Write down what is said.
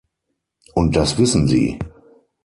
Und das wissen Sie!